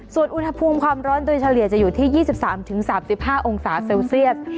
ส่วนอุณหภูมิความร้อนโดยเฉลี่ยจะอยู่ที่ยี่สิบสามถึงสามสิบห้าองศาเซลเซลเซียส